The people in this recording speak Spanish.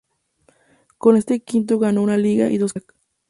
Con este equipo ganó una Liga y dos Copas de Irak.